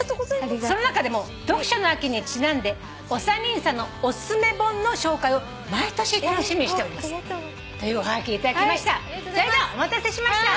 「その中でも読書の秋にちなんでお三人さんのおススメ本の紹介を毎年楽しみにしております」というおはがき頂きました。